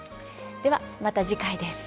では、また次回です。